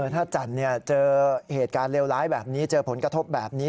ถ้าจันทร์เจอเหตุการณ์เลวร้ายแบบนี้เจอผลกระทบแบบนี้